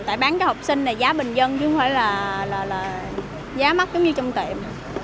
tại bán cho học sinh là giá bình dân chứ không phải là giá mắc giống như trong tiệm